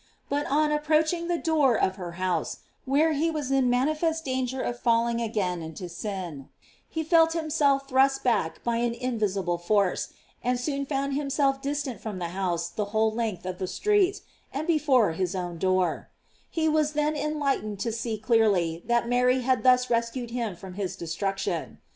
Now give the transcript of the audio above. But on approaching the door of her house, where he was in manifest danger of falling again into sin, he felt himself thrust back by an invisible force, and soon found himself distant from the house the whole length of the street, and before his own door; he was then en lightened to see clearly that Mary had thus rescued him from his destruction.